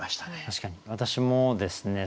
確かに私もですね